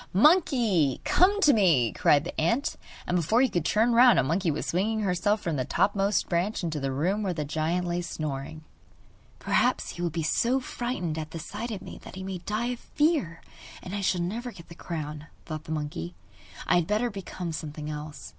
'Monkey, come to me!' cried the ant; and before you could turn round a monkey was swinging herself from the topmost branches into the room where the giant lay snoring. 'Perhaps he will be so frightened at the sight of me that he may die of fear, and I shall never get the crown,' thought the monkey. 'I had better become something else.